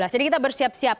jadi kita bersiap siap